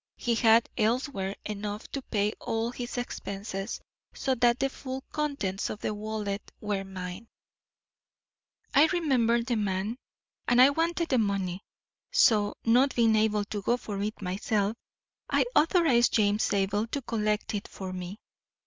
He had elsewhere enough to pay all his expenses, so that the full contents of the wallet were mine. "I remembered the man and I wanted the money; so, not being able to go for it myself, I authorised James Zabel to collect it for me.